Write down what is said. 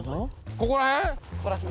ここら辺。